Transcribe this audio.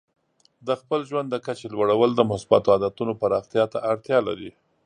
د خپل ژوند د کچې لوړول د مثبتو عادتونو پراختیا ته اړتیا لري.